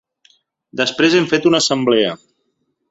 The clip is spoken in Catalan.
Després hem fet una assemblea.